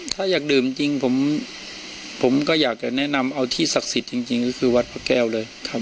ถ้าอยากดื่มจริงผมก็อยากจะแนะนำเอาที่ศักดิ์สิทธิ์จริงก็คือวัดพระแก้วเลยครับ